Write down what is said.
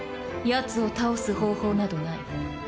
やつを倒す方法などない。